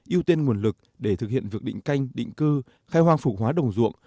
ưu tiên nguồn lực để thực hiện việc định canh định cư khai hoang phục hóa đồng ruộng